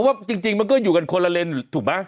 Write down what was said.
ว่าจริงมันก็อยู่กันคนละเลนส์ถูกไหม